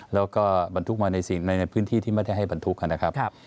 แล้วก็บรรทุกมาในพื้นที่ที่ไม่ได้ให้บรรทุกนะครับ